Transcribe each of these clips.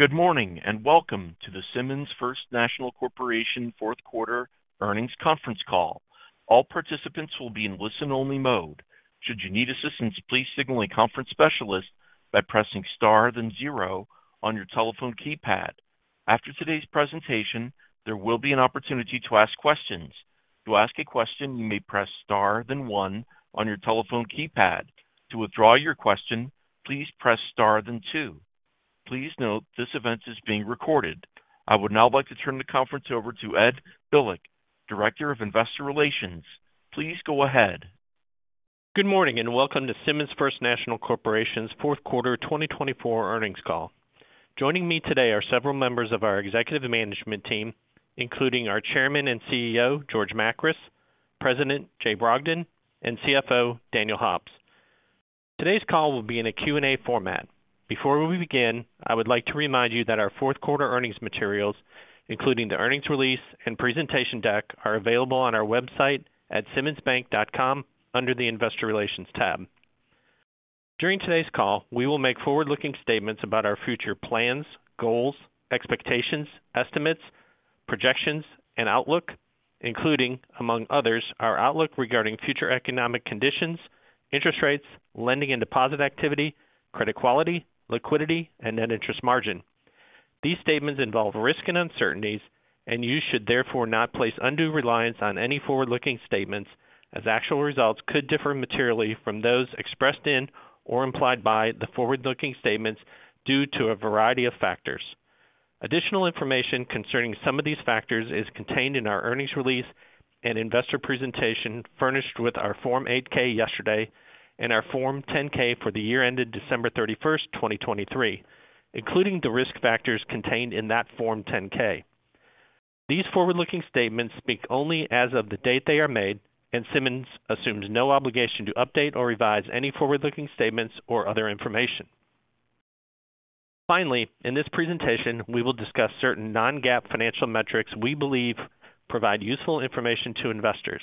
Good morning and welcome to the Simmons First National Corporation Fourth Quarter Earnings Conference Call. All participants will be in listen-only mode. Should you need assistance, please signal a conference specialist by pressing star then zero on your telephone keypad. After today's presentation, there will be an opportunity to ask questions. To ask a question, you may press star then one on your telephone keypad. To withdraw your question, please press star then two. Please note this event is being recorded. I would now like to turn the conference over to Ed Bilek, Director of Investor Relations. Please go ahead. Good morning and welcome to Simmons First National Corporation's Fourth Quarter 2024 Earnings Call. Joining me today are several members of our executive management team, including our Chairman and CEO, George Makris, President, Jay Brogdon, and CFO, Daniel Hobbs. Today's call will be in a Q&A format. Before we begin, I would like to remind you that our fourth quarter earnings materials, including the earnings release and presentation deck, are available on our website at simmonsbank.com under the Investor Relations tab. During today's call, we will make forward-looking statements about our future plans, goals, expectations, estimates, projections, and outlook, including, among others, our outlook regarding future economic conditions, interest rates, lending and deposit activity, credit quality, liquidity, and net interest margin. These statements involve risk and uncertainties, and you should therefore not place undue reliance on any forward-looking statements, as actual results could differ materially from those expressed in or implied by the forward-looking statements due to a variety of factors. Additional information concerning some of these factors is contained in our earnings release and investor presentation furnished with our Form 8-K yesterday and our Form 10-K for the year ended December 31st, 2023, including the risk factors contained in that Form 10-K. These forward-looking statements speak only as of the date they are made, and Simmons assumes no obligation to update or revise any forward-looking statements or other information. Finally, in this presentation, we will discuss certain non-GAAP financial metrics we believe provide useful information to investors.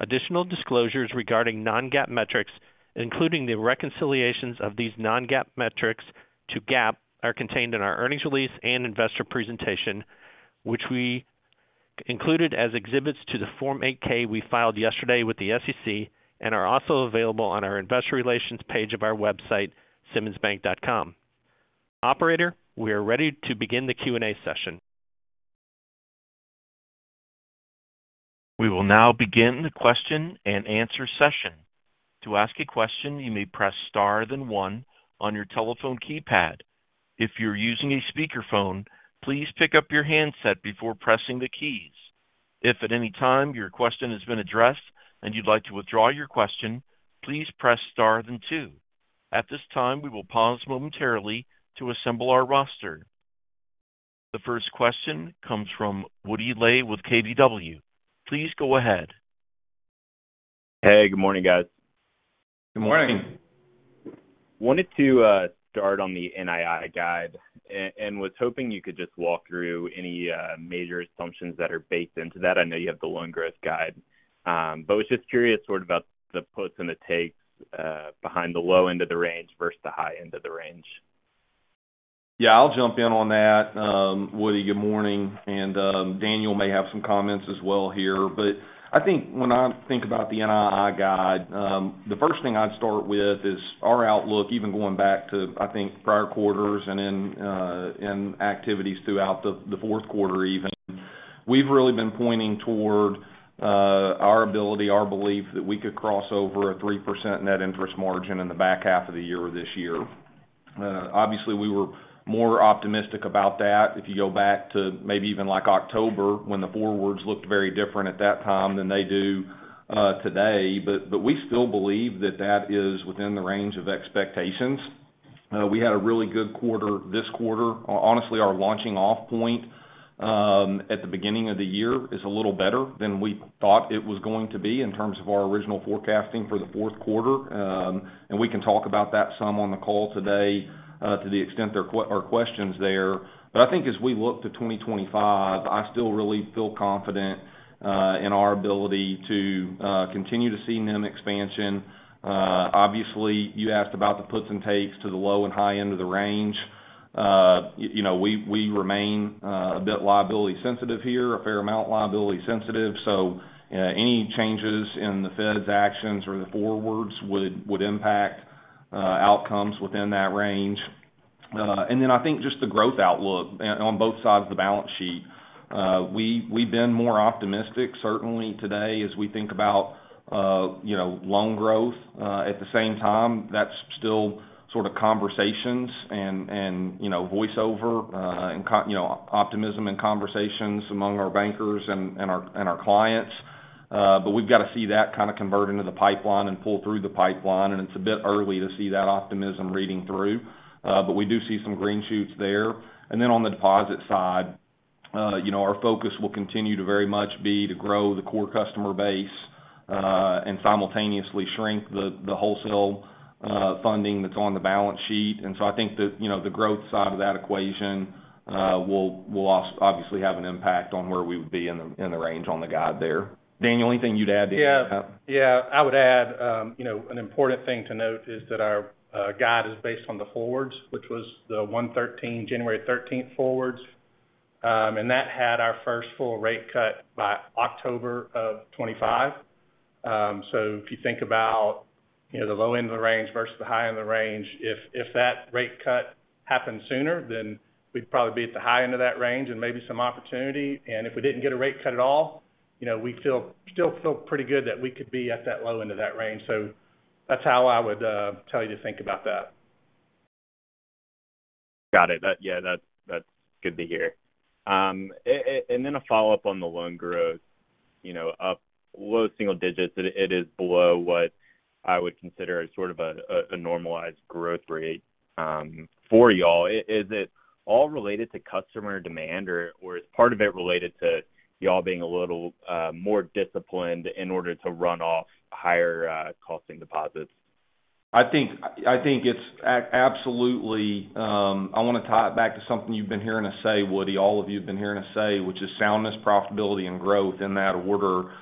Additional disclosures regarding non-GAAP metrics, including the reconciliations of these non-GAAP metrics to GAAP, are contained in our earnings release and investor presentation, which we included as exhibits to the Form 8-K we filed yesterday with the SEC and are also available on our investor relations page of our website, simmonsbank.com. Operator, we are ready to begin the Q&A session. We will now begin the question and answer session. To ask a question, you may press star then one on your telephone keypad. If you're using a speakerphone, please pick up your handset before pressing the keys. If at any time your question has been addressed and you'd like to withdraw your question, please press star then two. At this time, we will pause momentarily to assemble our roster. The first question comes from Woody Lay with KBW. Please go ahead. Hey, good morning, guys. Good morning. Wanted to start on the NII guide and was hoping you could just walk through any major assumptions that are baked into that. I know you have the loan growth guide, but was just curious sort of about the puts and the takes behind the low end of the range versus the high end of the range. Yeah, I'll jump in on that. Woody, good morning. And Daniel may have some comments as well here, but I think when I think about the NII guide, the first thing I'd start with is our outlook, even going back to, I think, prior quarters and in activities throughout the fourth quarter even. We've really been pointing toward our ability, our belief that we could cross over a 3% net interest margin in the back half of the year this year. Obviously, we were more optimistic about that. If you go back to maybe even like October when the forwards looked very different at that time than they do today, but we still believe that that is within the range of expectations. We had a really good quarter this quarter. Honestly, our launching-off point at the beginning of the year is a little better than we thought it was going to be in terms of our original forecasting for the fourth quarter. And we can talk about that some on the call today to the extent there are questions there. But I think as we look to 2025, I still really feel confident in our ability to continue to see NIM expansion. Obviously, you asked about the puts and takes to the low and high end of the range. We remain a bit liability-sensitive here, a fair amount liability-sensitive. So any changes in the Fed's actions or the forwards would impact outcomes within that range. And then I think just the growth outlook on both sides of the balance sheet. We've been more optimistic, certainly today as we think about loan growth. At the same time, that's still sort of conversations and voiceover and optimism and conversations among our bankers and our clients, but we've got to see that kind of convert into the pipeline and pull through the pipeline, and it's a bit early to see that optimism reading through, but we do see some green shoots there, and then on the deposit side, our focus will continue to very much be to grow the core customer base and simultaneously shrink the wholesale funding that's on the balance sheet, and so I think that the growth side of that equation will obviously have an impact on where we would be in the range on the guide there. Daniel, anything you'd add to that? Yeah. Yeah. I would add an important thing to note is that our guide is based on the forwards, which was the January 13th forwards. And that had our first full rate cut by October of 2025. So if you think about the low end of the range versus the high end of the range, if that rate cut happened sooner, then we'd probably be at the high end of that range and maybe some opportunity. And if we didn't get a rate cut at all, we still feel pretty good that we could be at that low end of that range. So that's how I would tell you to think about that. Got it. Yeah, that's good to hear. And then a follow-up on the loan growth. Low single digits, it is below what I would consider sort of a normalized growth rate for y'all. Is it all related to customer demand, or is part of it related to y'all being a little more disciplined in order to run off higher costing deposits? I think it's absolutely, I want to tie it back to something you've been hearing us say, Woody, all of you have been hearing us say, which is soundness, profitability, and growth in that order.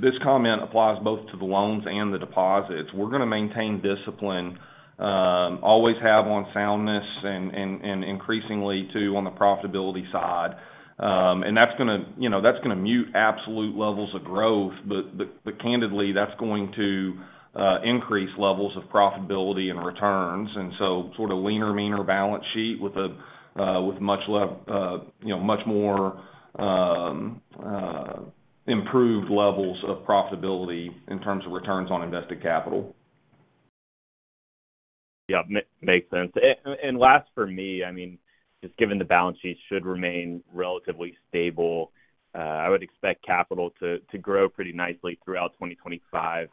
This comment applies both to the loans and the deposits. We're going to maintain discipline, always have on soundness, and increasingly too on the profitability side. And that's going to mute absolute levels of growth, but candidly, that's going to increase levels of profitability and returns. And so sort of leaner, meaner balance sheet with much more improved levels of profitability in terms of returns on invested capital. Yeah, makes sense. And last for me, I mean, just given the balance sheet should remain relatively stable, I would expect capital to grow pretty nicely throughout 2025.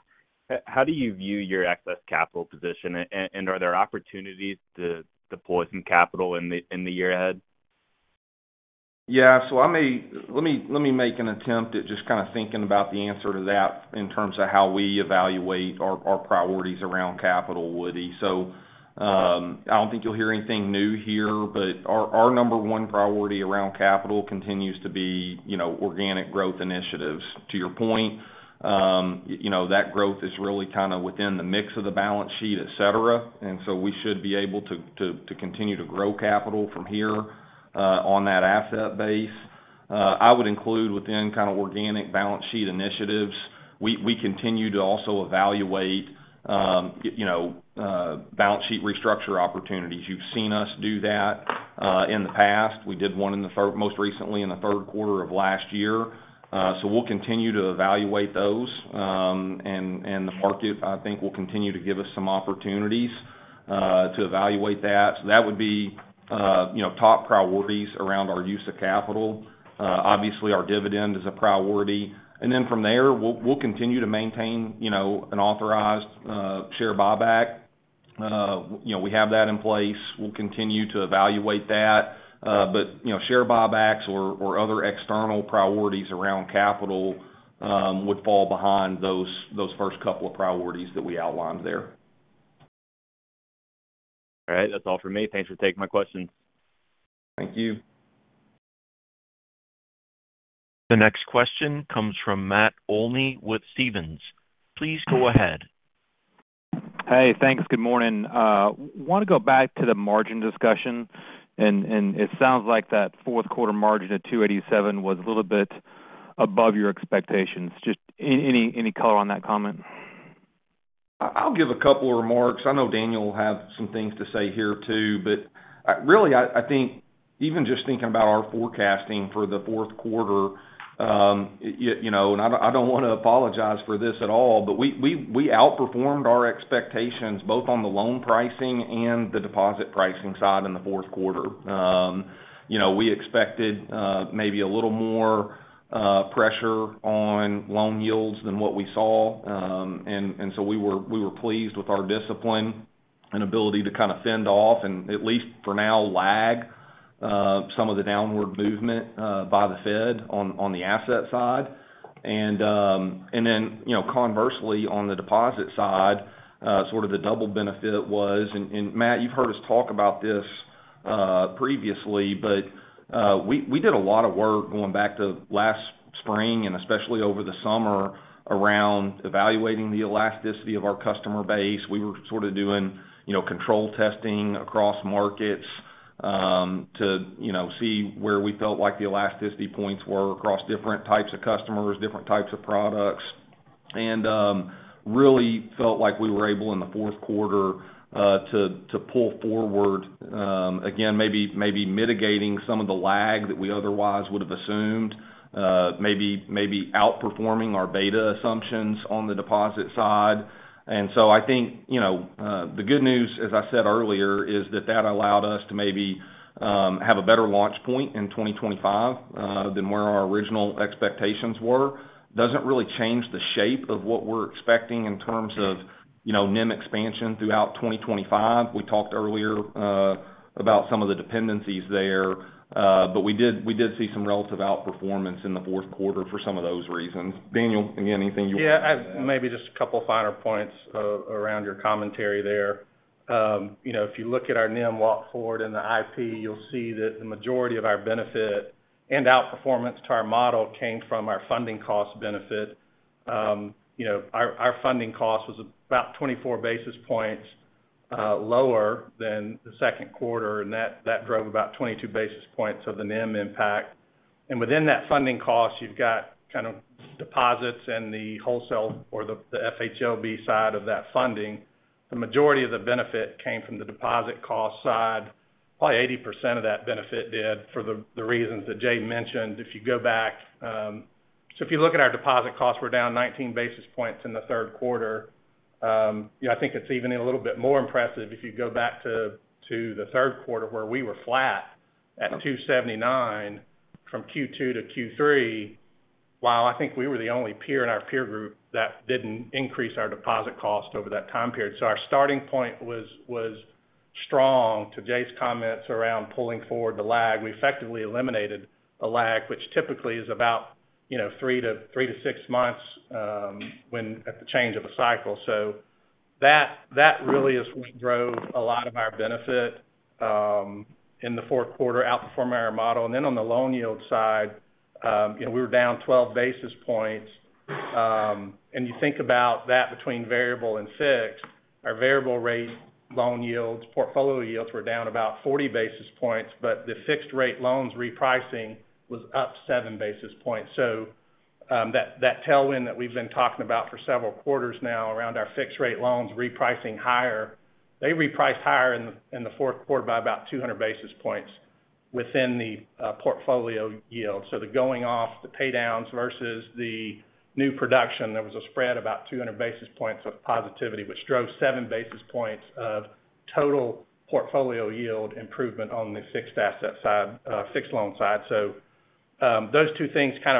How do you view your excess capital position, and are there opportunities to deploy some capital in the year ahead? Yeah. So let me make an attempt at just kind of thinking about the answer to that in terms of how we evaluate our priorities around capital, Woody. So I don't think you'll hear anything new here, but our number one priority around capital continues to be organic growth initiatives. To your point, that growth is really kind of within the mix of the balance sheet, etc. And so we should be able to continue to grow capital from here on that asset base. I would include within kind of organic balance sheet initiatives, we continue to also evaluate balance sheet restructure opportunities. You've seen us do that in the past. We did one most recently in the third quarter of last year. So we'll continue to evaluate those. And the market, I think, will continue to give us some opportunities to evaluate that. So that would be top priorities around our use of capital. Obviously, our dividend is a priority. And then from there, we'll continue to maintain an authorized share buyback. We have that in place. We'll continue to evaluate that. But share buybacks or other external priorities around capital would fall behind those first couple of priorities that we outlined there. All right. That's all for me. Thanks for taking my questions. Thank you. The next question comes from Matt Olney with Stephens. Please go ahead. Hey, thanks. Good morning. Want to go back to the margin discussion. And it sounds like that fourth quarter margin at 287 was a little bit above your expectations. Just any color on that comment? I'll give a couple of remarks. I know Daniel will have some things to say here too, but really, I think even just thinking about our forecasting for the fourth quarter, and I don't want to apologize for this at all, but we outperformed our expectations both on the loan pricing and the deposit pricing side in the fourth quarter. We expected maybe a little more pressure on loan yields than what we saw, and so we were pleased with our discipline and ability to kind of fend off, and at least for now, lag some of the downward movement by the Fed on the asset side. And then conversely, on the deposit side, sort of the double benefit was, and Matt, you've heard us talk about this previously, but we did a lot of work going back to last spring and especially over the summer around evaluating the elasticity of our customer base. We were sort of doing control testing across markets to see where we felt like the elasticity points were across different types of customers, different types of products, and really felt like we were able in the fourth quarter to pull forward, again, maybe mitigating some of the lag that we otherwise would have assumed, maybe outperforming our beta assumptions on the deposit side. And so I think the good news, as I said earlier, is that that allowed us to maybe have a better launch point in 2025 than where our original expectations were. Doesn't really change the shape of what we're expecting in terms of NIM expansion throughout 2025. We talked earlier about some of the dependencies there, but we did see some relative outperformance in the fourth quarter for some of those reasons. Daniel, again, anything you want to add? Yeah, maybe just a couple of finer points around your commentary there. If you look at our NIM walk forward in the IP, you'll see that the majority of our benefit and outperformance to our model came from our funding cost benefit. Our funding cost was about 24 basis points lower than the second quarter, and that drove about 22 basis points of the NIM impact. And within that funding cost, you've got kind of deposits and the wholesale or the FHLB side of that funding. The majority of the benefit came from the deposit cost side. Probably 80% of that benefit did for the reasons that Jay mentioned. If you go back, so if you look at our deposit cost, we're down 19 basis points in the third quarter. I think it's even a little bit more impressive if you go back to the third quarter where we were flat at 279 from Q2 to Q3, while I think we were the only peer in our peer group that didn't increase our deposit cost over that time period. So our starting point was strong to Jay's comments around pulling forward the lag. We effectively eliminated the lag, which typically is about three-to-six months at the change of a cycle. So that really is what drove a lot of our benefit in the fourth quarter, outperforming our model. And then on the loan yield side, we were down 12 basis points. And you think about that between variable and fixed, our variable rate loan yields, portfolio yields were down about 40 basis points, but the fixed rate loans repricing was up 7 basis points. So that tailwind that we've been talking about for several quarters now around our fixed rate loans repricing higher, they repriced higher in the fourth quarter by about 200 basis points within the portfolio yield. So the going off, the paydowns versus the new production, there was a spread about 200 basis points of positivity, which drove seven basis points of total portfolio yield improvement on the fixed asset side, fixed loan side. So those two things kind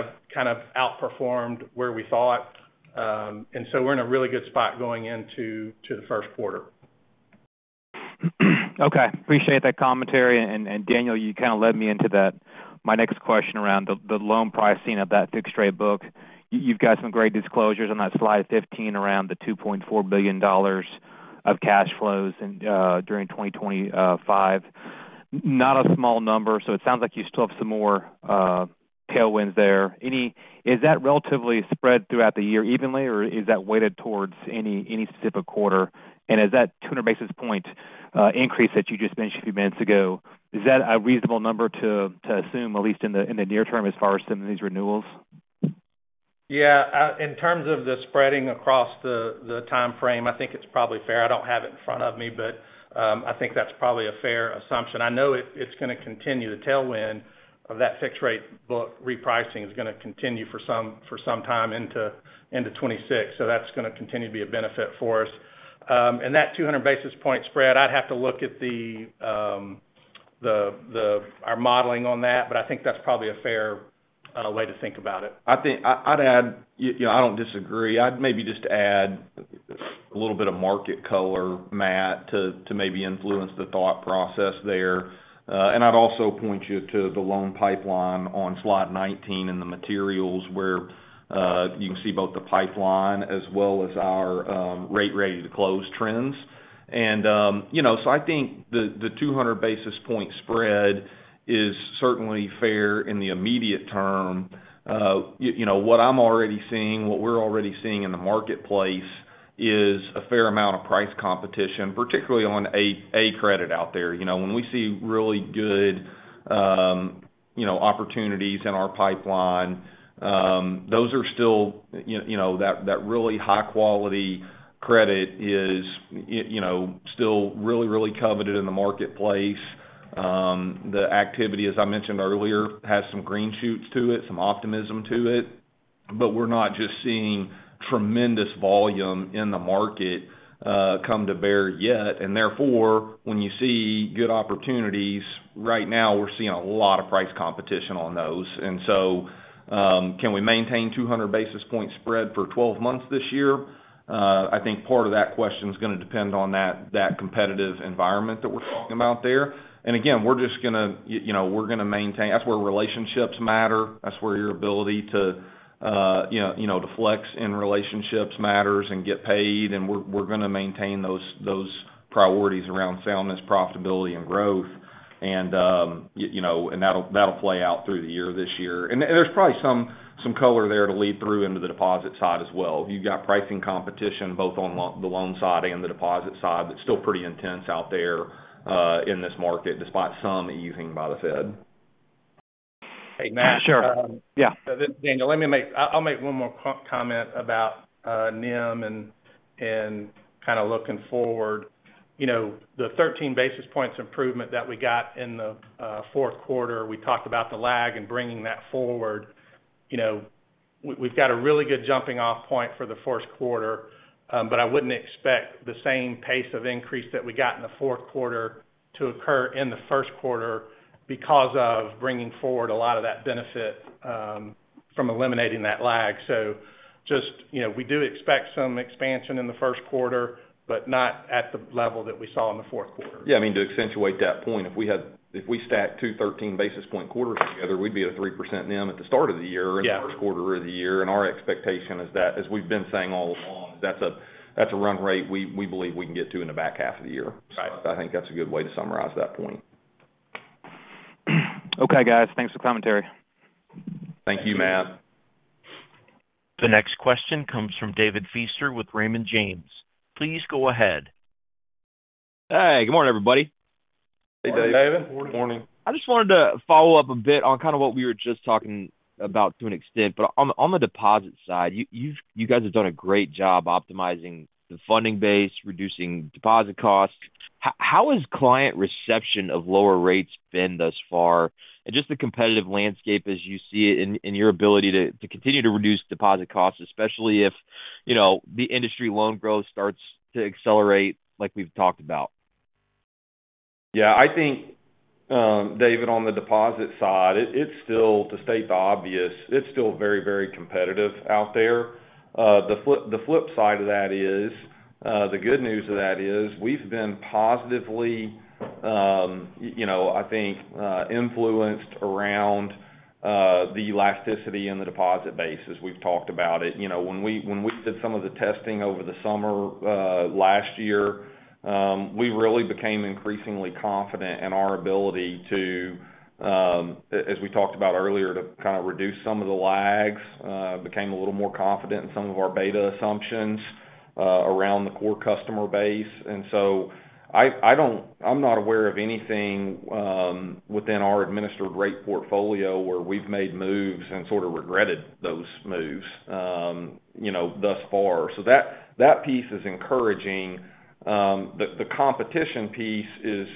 of outperformed where we thought. And so we're in a really good spot going into the first quarter. Okay. Appreciate that commentary. And Daniel, you kind of led me into my next question around the loan pricing of that fixed rate book. You've got some great disclosures on that slide 15 around the $2.4 billion of cash flows during 2025. Not a small number. So it sounds like you still have some more tailwinds there. Is that relatively spread throughout the year evenly, or is that weighted towards any specific quarter? And is that 200 basis points increase that you just mentioned a few minutes ago, is that a reasonable number to assume, at least in the near term as far as some of these renewals? Yeah. In terms of the spreading across the time frame, I think it's probably fair. I don't have it in front of me, but I think that's probably a fair assumption. I know it's going to continue. The tailwind of that fixed rate book repricing is going to continue for some time into 2026. So that's going to continue to be a benefit for us. And that 200 basis point spread, I'd have to look at our modeling on that, but I think that's probably a fair way to think about it. I'd add, I don't disagree. I'd maybe just add a little bit of market color, Matt, to maybe influence the thought process there. And I'd also point you to the loan pipeline on slide 19 in the materials where you can see both the pipeline as well as our rate ready to close trends. And so I think the 200 basis point spread is certainly fair in the immediate term. What I'm already seeing, what we're already seeing in the marketplace is a fair amount of price competition, particularly on A credit out there. When we see really good opportunities in our pipeline, those are still that really high-quality credit is still really, really coveted in the marketplace. The activity, as I mentioned earlier, has some green shoots to it, some optimism to it, but we're not just seeing tremendous volume in the market come to bear yet. And therefore, when you see good opportunities right now, we're seeing a lot of price competition on those. So can we maintain 200 basis point spread for 12 months this year? I think part of that question is going to depend on that competitive environment that we're talking about there. And again, we're just going to maintain. That's where relationships matter. That's where your ability to flex in relationships matters and get paid. And we're going to maintain those priorities around soundness, profitability, and growth. And that'll play out through the year this year. And there's probably some color there to lead through into the deposit side as well. You've got pricing competition both on the loan side and the deposit side, but still pretty intense out there in this market despite some easing by the Fed. Hey, Matt. Sure. Yeah. Daniel, I'll make one more comment about NIM and kind of looking forward. The 13 basis points improvement that we got in the fourth quarter, we talked about the lag and bringing that forward. We've got a really good jumping-off point for the first quarter, but I wouldn't expect the same pace of increase that we got in the fourth quarter to occur in the first quarter because of bringing forward a lot of that benefit from eliminating that lag. So just we do expect some expansion in the first quarter, but not at the level that we saw in the fourth quarter. Yeah. I mean, to accentuate that point, if we stack two 13 basis point quarters together, we'd be at a 3% NIM at the start of the year and the first quarter of the year. And our expectation is that, as we've been saying all along, that's a run rate we believe we can get to in the back half of the year. So I think that's a good way to summarize that point. Okay, guys. Thanks for the commentary. Thank you, Matt. The next question comes from David Feaster with Raymond James. Please go ahead. Hey, good morning, everybody. Hey, David. Hey, David. Good morning. I just wanted to follow up a bit on kind of what we were just talking about to an extent, but on the deposit side, you guys have done a great job optimizing the funding base, reducing deposit costs. How has client reception of lower rates been thus far? And just the competitive landscape as you see it in your ability to continue to reduce deposit costs, especially if the industry loan growth starts to accelerate like we've talked about? Yeah. I think, David, on the deposit side, it's still, to state the obvious, it's still very, very competitive out there. The flip side of that is, the good news of that is we've been positively, I think, influenced around the elasticity in the deposit basis. We've talked about it. When we did some of the testing over the summer last year, we really became increasingly confident in our ability to, as we talked about earlier, to kind of reduce some of the lags, became a little more confident in some of our beta assumptions around the core customer base. And so I'm not aware of anything within our administered rate portfolio where we've made moves and sort of regretted those moves thus far. So that piece is encouraging. The competition piece is,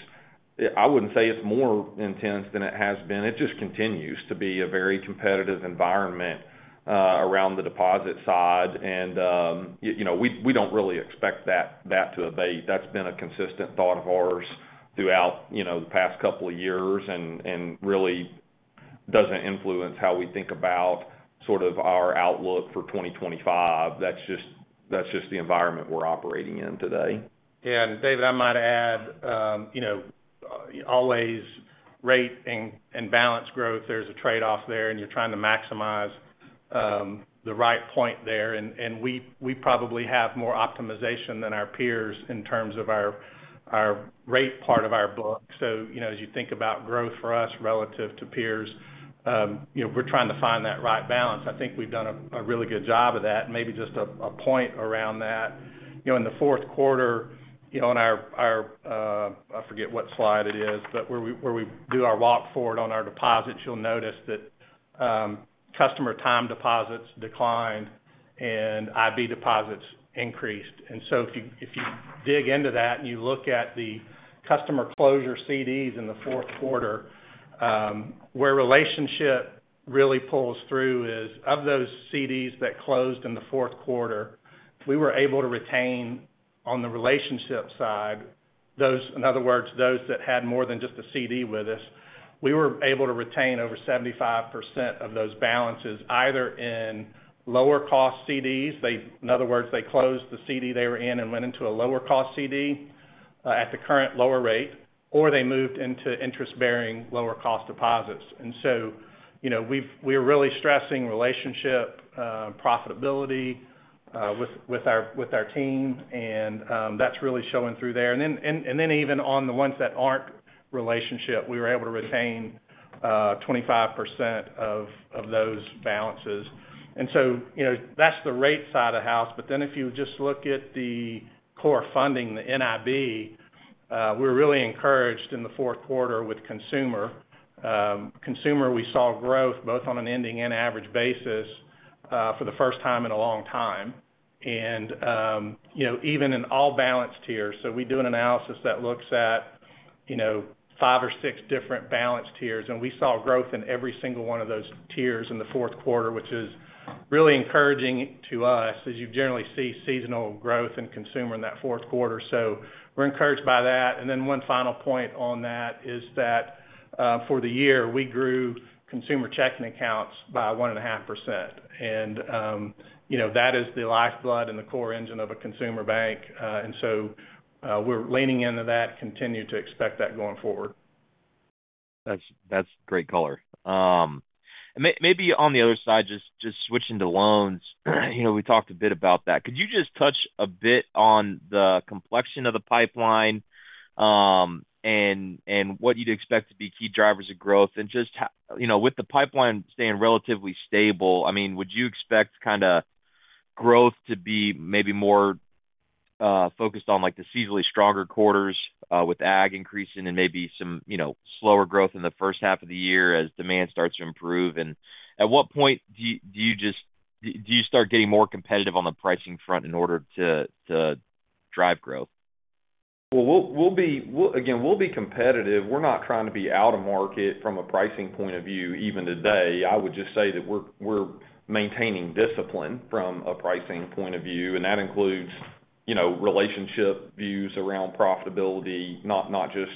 I wouldn't say it's more intense than it has been. It just continues to be a very competitive environment around the deposit side. And we don't really expect that to abate. That's been a consistent thought of ours throughout the past couple of years and really doesn't influence how we think about sort of our outlook for 2025. That's just the environment we're operating in today. Yeah. And David, I might add, always rate and balance growth. There's a trade-off there, and you're trying to maximize the right point there. And we probably have more optimization than our peers in terms of our rate part of our book. So as you think about growth for us relative to peers, we're trying to find that right balance. I think we've done a really good job of that. And maybe just a point around that. In the fourth quarter, on our, I forget what slide it is, but where we do our walk forward on our deposits, you'll notice that customer time deposits declined and IB deposits increased. If you dig into that and you look at the customer closure CDs in the fourth quarter, where relationship really pulls through is of those CDs that closed in the fourth quarter, we were able to retain on the relationship side, in other words, those that had more than just a CD with us, over 75% of those balances either in lower-cost CDs. In other words, they closed the CD they were in and went into a lower-cost CD at the current lower rate, or they moved into interest-bearing lower-cost deposits. We're really stressing relationship profitability with our team, and that's really showing through there. Even on the ones that aren't relationship, we were able to retain 25% of those balances. That's the rate side of the house. But then if you just look at the core funding, the NIB, we were really encouraged in the fourth quarter with consumer. Consumer, we saw growth both on an ending and average basis for the first time in a long time. And even in all balance tiers, so we do an analysis that looks at five or six different balance tiers, and we saw growth in every single one of those tiers in the fourth quarter, which is really encouraging to us, as you generally see seasonal growth in consumer in that fourth quarter. So we're encouraged by that. And then one final point on that is that for the year, we grew consumer checking accounts by 1.5%. And that is the lifeblood and the core engine of a consumer bank. And so we're leaning into that, continue to expect that going forward. That's great color. Maybe on the other side, just switching to loans, we talked a bit about that. Could you just touch a bit on the complexion of the pipeline and what you'd expect to be key drivers of growth? And just with the pipeline staying relatively stable, I mean, would you expect kind of growth to be maybe more focused on the seasonally stronger quarters with ag increasing and maybe some slower growth in the first half of the year as demand starts to improve? And at what point do you just, do you start getting more competitive on the pricing front in order to drive growth? Well, again, we'll be competitive. We're not trying to be out of market from a pricing point of view even today. I would just say that we're maintaining discipline from a pricing point of view. And that includes relationship views around profitability, not just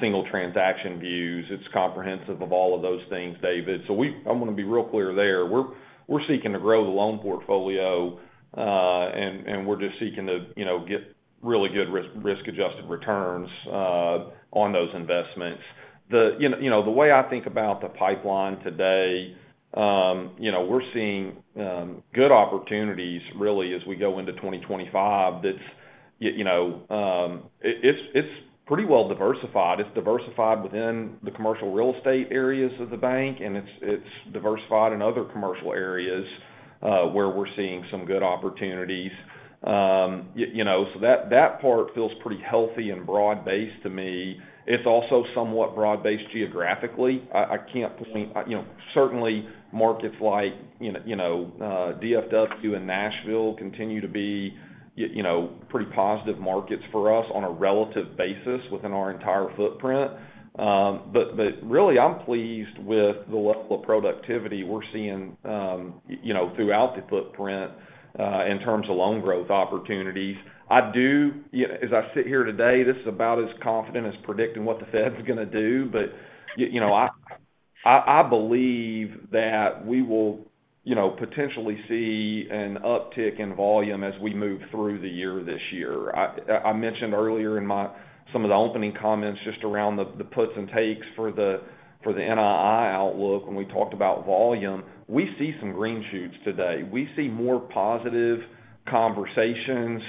single transaction views. It's comprehensive of all of those things, David. So I want to be real clear there. We're seeking to grow the loan portfolio, and we're just seeking to get really good risk-adjusted returns on those investments. The way I think about the pipeline today, we're seeing good opportunities really as we go into 2025. It's pretty well diversified. It's diversified within the commercial real estate areas of the bank, and it's diversified in other commercial areas where we're seeing some good opportunities. So that part feels pretty healthy and broad-based to me. It's also somewhat broad-based geographically. I can't point. Certainly markets like DFW and Nashville continue to be pretty positive markets for us on a relative basis within our entire footprint, but really, I'm pleased with the level of productivity we're seeing throughout the footprint in terms of loan growth opportunities. I do, as I sit here today, this is about as confident as predicting what the Fed's going to do, but I believe that we will potentially see an uptick in volume as we move through the year this year. I mentioned earlier in some of the opening comments just around the puts and takes for the NII outlook when we talked about volume. We see some green shoots today. We see more positive conversations.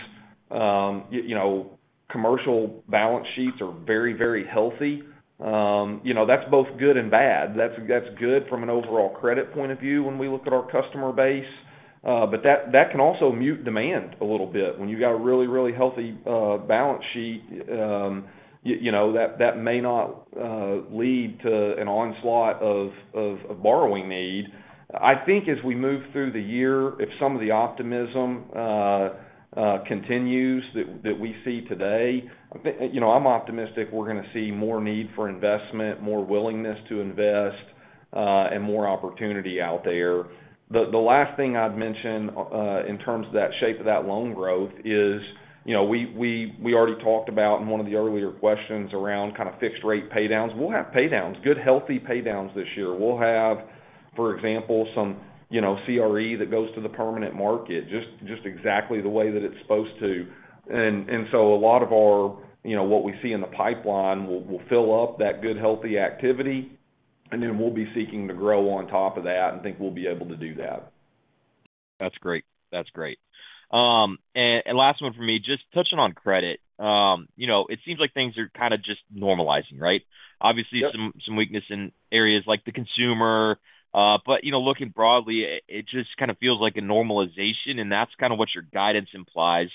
Commercial balance sheets are very, very healthy. That's both good and bad. That's good from an overall credit point of view when we look at our customer base. But that can also mute demand a little bit. When you got a really, really healthy balance sheet, that may not lead to an onslaught of borrowing need. I think as we move through the year, if some of the optimism continues that we see today, I'm optimistic we're going to see more need for investment, more willingness to invest, and more opportunity out there. The last thing I'd mention in terms of that shape of that loan growth is we already talked about in one of the earlier questions around kind of fixed-rate paydowns. We'll have paydowns, good, healthy paydowns this year. We'll have, for example, some CRE that goes to the permanent market, just exactly the way that it's supposed to. And so a lot of what we see in the pipeline will fill up that good, healthy activity. And then we'll be seeking to grow on top of that and think we'll be able to do that. That's great. That's great. And last one for me, just touching on credit. It seems like things are kind of just normalizing, right? Obviously, some weakness in areas like the consumer. But looking broadly, it just kind of feels like a normalization, and that's kind of what your guidance implies.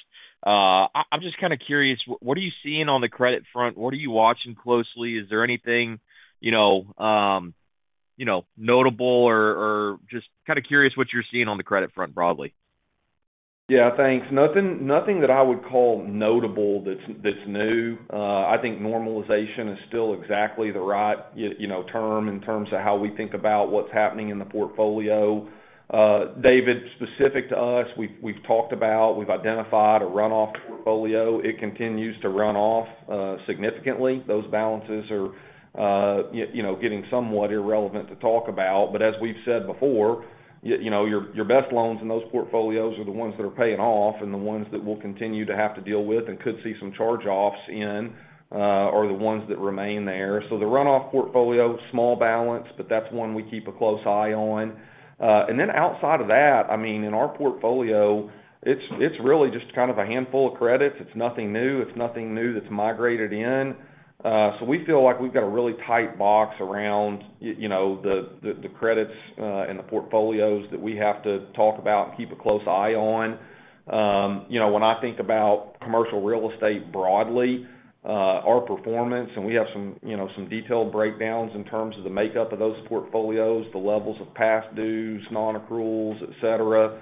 I'm just kind of curious, what are you seeing on the credit front? What are you watching closely? Is there anything notable or just kind of curious what you're seeing on the credit front broadly? Yeah, thanks. Nothing that I would call notable that's new. I think normalization is still exactly the right term in terms of how we think about what's happening in the portfolio. David, specific to us, we've talked about, we've identified a runoff portfolio. It continues to run off significantly. Those balances are getting somewhat irrelevant to talk about. But as we've said before, your best loans in those portfolios are the ones that are paying off and the ones that we'll continue to have to deal with and could see some charge-offs in are the ones that remain there. So the runoff portfolio, small balance, but that's one we keep a close eye on. And then outside of that, I mean, in our portfolio, it's really just kind of a handful of credits. It's nothing new. It's nothing new that's migrated in. So we feel like we've got a really tight box around the credits and the portfolios that we have to talk about and keep a close eye on. When I think about commercial real estate broadly, our performance, and we have some detailed breakdowns in terms of the makeup of those portfolios, the levels of past dues, non-accruals, etc.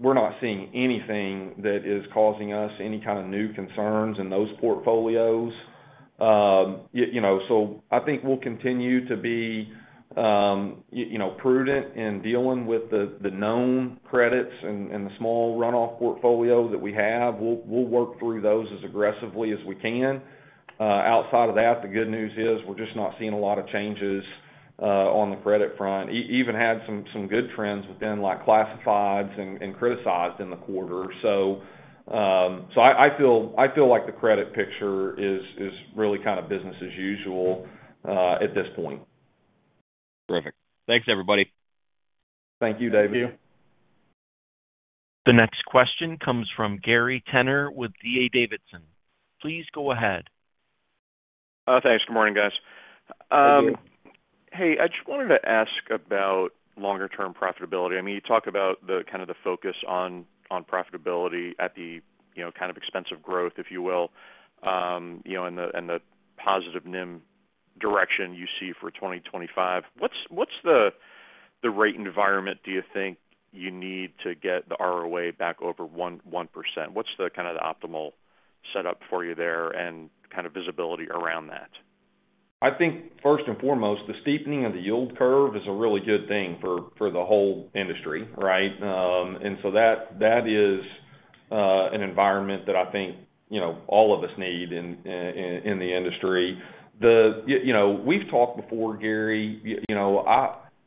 We're not seeing anything that is causing us any kind of new concerns in those portfolios. So I think we'll continue to be prudent in dealing with the known credits and the small runoff portfolio that we have. We'll work through those as aggressively as we can. Outside of that, the good news is we're just not seeing a lot of changes on the credit front. Even had some good trends within classifieds and criticized in the quarter. So I feel like the credit picture is really kind of business as usual at this point. Terrific. Thanks, everybody. Thank you, David. Thank you. The next question comes from Gary Tenner with D.A. Davidson. Please go ahead. Thanks. Good morning, guys. Hey, I just wanted to ask about longer-term profitability. I mean, you talk about kind of the focus on profitability at the expense of growth, if you will, and the positive NIM direction you see for 2025. What's the rate environment do you think you need to get the ROA back over 1%? What's the kind of optimal setup for you there and kind of visibility around that? I think first and foremost, the steepening of the yield curve is a really good thing for the whole industry, right? And so that is an environment that I think all of us need in the industry. We've talked before, Gary.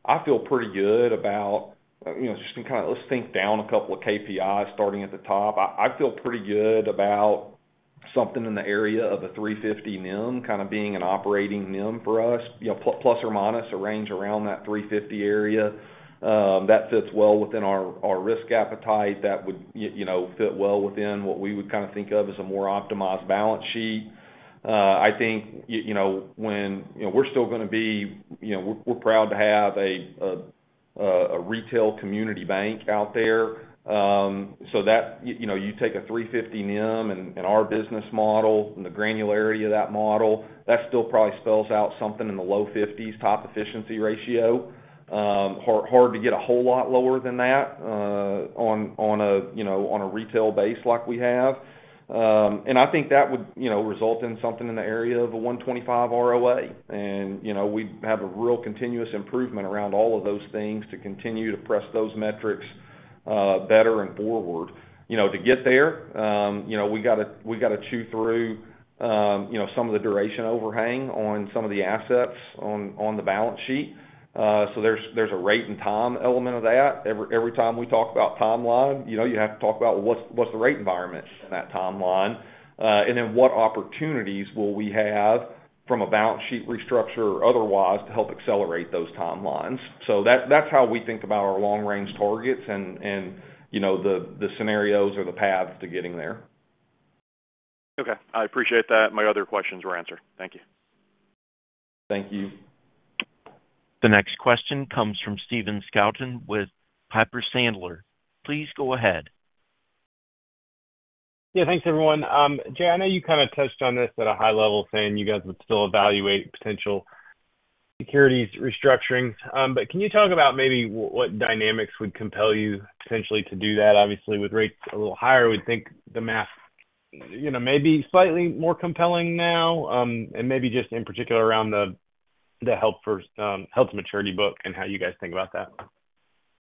I feel pretty good about just kind of let's think down a couple of KPIs starting at the top. I feel pretty good about something in the area of a 350 NIM kind of being an operating NIM for us, plus or minus a range around that 350 area. That fits well within our risk appetite. That would fit well within what we would kind of think of as a more optimized balance sheet. I think when we're still going to be we're proud to have a retail community bank out there. So you take a 350 NIM and our business model and the granularity of that model, that still probably spells out something in the low 50s% top efficiency ratio. Hard to get a whole lot lower than that on a retail base like we have. And I think that would result in something in the area of a 125 ROA. And we have a real continuous improvement around all of those things to continue to press those metrics better and forward. To get there, we got to chew through some of the duration overhang on some of the assets on the balance sheet. So there's a rate and time element of that. Every time we talk about timeline, you have to talk about what's the rate environment in that timeline? And then what opportunities will we have from a balance sheet restructure or otherwise to help accelerate those timelines? So that's how we think about our long-range targets and the scenarios or the path to getting there. Okay. I appreciate that. My other questions were answered. Thank you. Thank you. The next question comes from Stephen Scouten with Piper Sandler. Please go ahead. Yeah, thanks, everyone. Jay, I know you kind of touched on this at a high level saying you guys would still evaluate potential securities restructuring. But can you talk about maybe what dynamics would compel you potentially to do that? Obviously, with rates a little higher, we'd think the math may be slightly more compelling now. And maybe just in particular around the held-to-maturity book and how you guys think about that.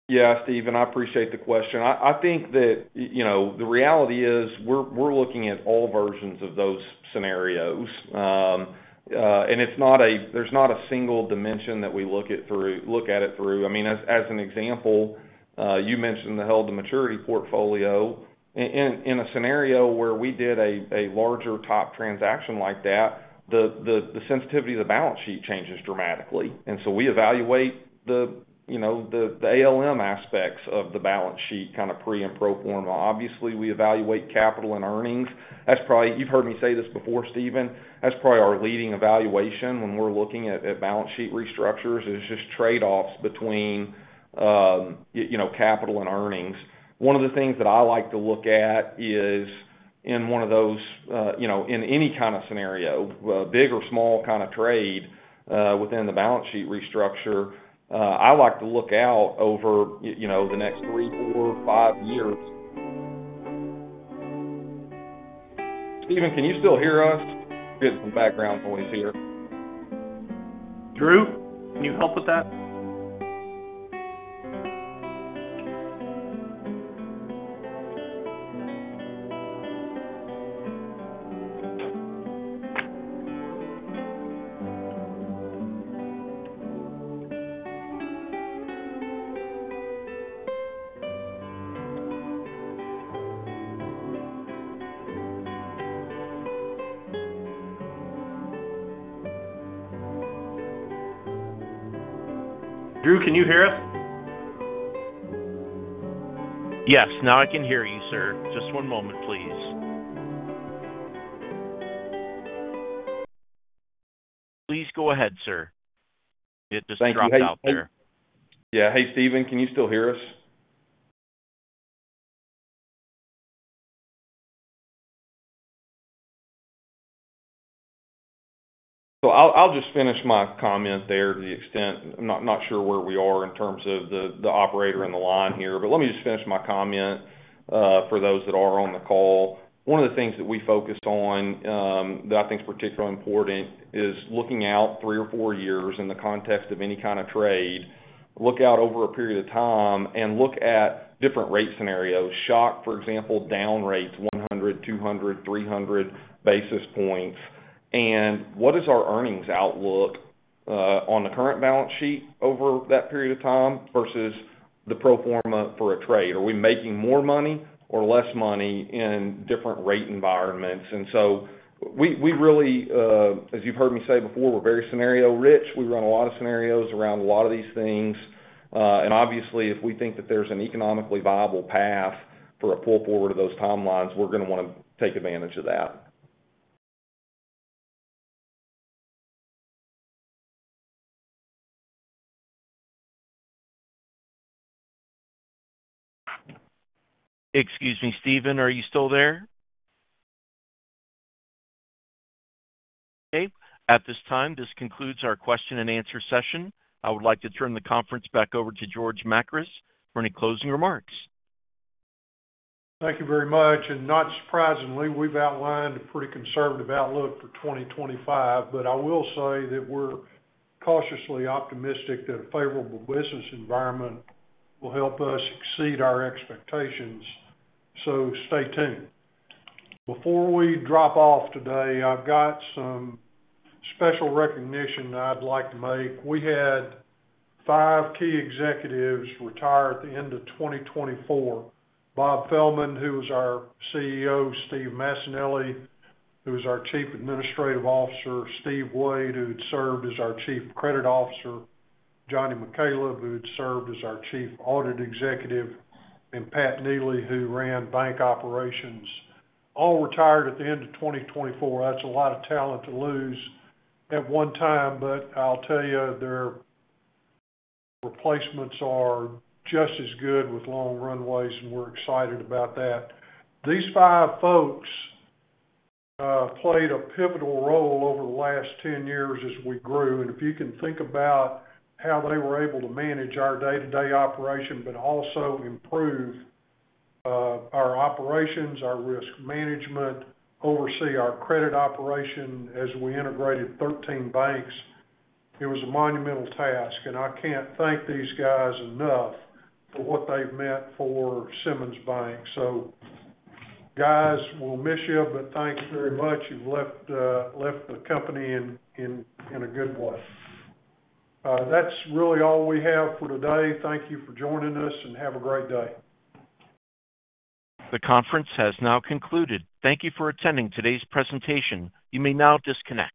Yeah, Stephen, I appreciate the question. I think that the reality is we're looking at all versions of those scenarios. And there's not a single dimension that we look at through. I mean, as an example, you mentioned the held-to-maturity portfolio. In a scenario where we did a larger top transaction like that, the sensitivity of the balance sheet changes dramatically. And so we evaluate the ALM aspects of the balance sheet kind of pre and pro forma. Obviously, we evaluate capital and earnings. You've heard me say this before, Stephen. That's probably our leading evaluation when we're looking at balance sheet restructures is just trade-offs between capital and earnings. One of the things that I like to look at is in one of those, in any kind of scenario, big or small kind of trade within the balance sheet restructure. I like to look out over the next three, four, five years. Steven, can you still hear us? We're getting some background noise here. Drew, can you help with that? Drew, can you hear us? Yes, now I can hear you, sir. Just one moment, please. Please go ahead, sir. It just dropped out there. Yeah. Hey, Steven, can you still hear us? So I'll just finish my comment there to the extent I'm not sure where we are in terms of the operator in the line here, but let me just finish my comment for those that are on the call. One of the things that we focus on that I think is particularly important is looking out three or four years in the context of any kind of trade, look out over a period of time and look at different rate scenarios. Shock, for example, down rates 100, 200, 300 basis points. And what is our earnings outlook on the current balance sheet over that period of time versus the pro forma for a trade? Are we making more money or less money in different rate environments? And so we really, as you've heard me say before, we're very scenario rich. We run a lot of scenarios around a lot of these things. And obviously, if we think that there's an economically viable path for a pull forward of those timelines, we're going to want to take advantage of that. Excuse me, Stephen, are you still there? Okay. At this time, this concludes our question and answer session. I would like to turn the conference back over to George Makris for any closing remarks. Thank you very much, and not surprisingly, we've outlined a pretty conservative outlook for 2025, but I will say that we're cautiously optimistic that a favorable business environment will help us exceed our expectations, so stay tuned. Before we drop off today, I've got some special recognition I'd like to make. We had five key executives retire at the end of 2024: Bob Fehlman, who was our CEO. Steve Massanelli, who was our Chief Administrative Officer. Steve Wade, who had served as our Chief Credit Officer. Johnny McCaleb, who had served as our Chief Audit Executive. And Pat Neeley, who ran bank operations. All retired at the end of 2024. That's a lot of talent to lose at one time, but I'll tell you, their replacements are just as good with long runways, and we're excited about that. These five folks played a pivotal role over the last 10 years as we grew. And if you can think about how they were able to manage our day-to-day operation, but also improve our operations, our risk management, oversee our credit operation as we integrated 13 banks, it was a monumental task. And I can't thank these guys enough for what they've meant for Simmons Bank. So, guys, we'll miss you, but thanks very much. You've left the company in a good way. That's really all we have for today. Thank you for joining us, and have a great day. The conference has now concluded. Thank you for attending today's presentation. You may now disconnect.